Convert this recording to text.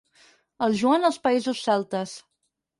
El Joan als països celtes.